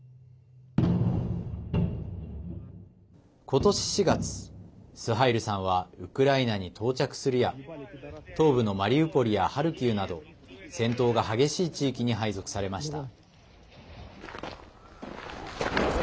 ことし４月、スハイルさんはウクライナに到着するや東部のマリウポリやハルキウなど戦闘が激しい地域に配属されました。